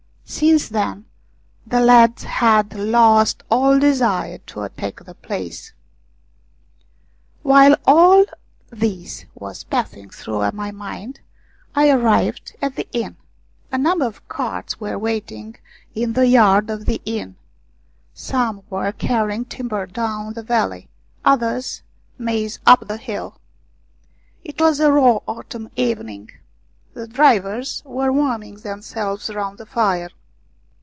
Since then the lads had lost all desire to attack the place. AT MANJOALA'S INN 37 While all this was passing through my mind I arrived at the inn. A number of carts were waiting in the yard of the inn. Some were carrying timber down the valley ; others, maize up the hill. It was a raw autumn evening. The drivers were warming themselves round the fire.